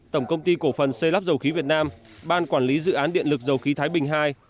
tổng công ty cổ phần xây lắp dầu khí việt nam ban quản lý dự án điện lực dầu khí thái bình ii